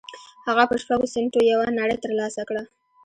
هغه په شپږو سينټو یوه نړۍ تر لاسه کړه